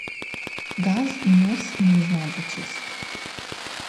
Газ и нос не знаат за чест.